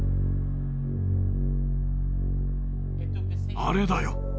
あれだよ